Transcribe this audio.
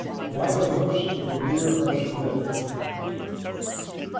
WHY THE HOOFS OF THE DEER ARE SPLIT.